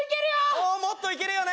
おおもっといけるよね